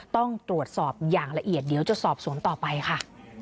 ต้องตรวจสอบอย่างละเอียดเดี๋ยวจะสอบสวนต่อไปค่ะ